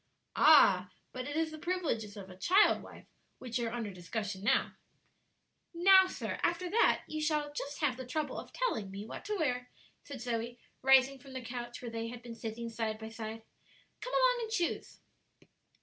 "Ah I but it is the privileges of a child wife which are under discussion now," "Now, sir, after that you shall just have the trouble of telling me what to wear," said Zoe, rising from the couch where they had been sitting side by side; "come along and choose."